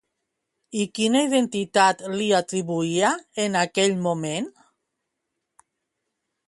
I quina identitat li atribuïa, en aquell moment?